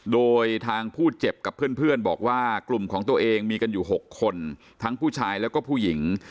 โดยทางผู้เจ็บกับเพื่อนบอกว่ากลุ่มของตัวเองมีกันอยู่๖คนทั้งผู้ชายแล้วก็ผู้หญิง